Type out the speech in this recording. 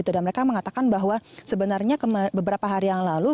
dan mereka mengatakan bahwa sebenarnya beberapa hari yang lalu